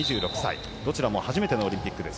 どちらも初めてオリンピックです。